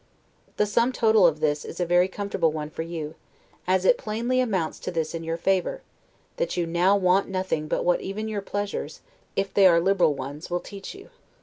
The sum total of this is a very comfortable one for you, as it plainly amounts to this in your favor, that you now want nothing but what even your pleasures, if they are liberal ones, will teach you.